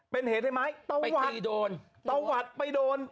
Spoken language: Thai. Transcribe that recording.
เป็นเหตุได้ไหมตะวัดตะวัดไปโดน